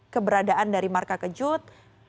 keberadaan dari marka kejut